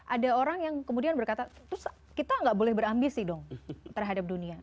ada orang yang kemudian berkata terus kita nggak boleh berambisi dong terhadap dunia